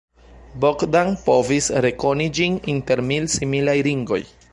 Bogdan povis rekoni ĝin inter mil similaj ringoj.